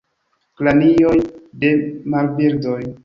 Kranioj de marbirdoj.